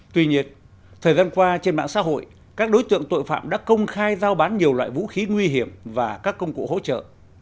tuy nhiên thời gian qua trên mạng xã hội các đối tượng tội phạm đã công khai giao bán nhiều loại vũ khí nguy hiểm và các công cụ hỗ trợ